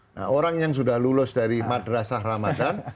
nah orang yang sudah lulus dari madrasah ramadan